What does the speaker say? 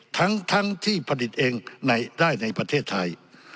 ทั้งที่ผลิตเองได้ในประเทศไทย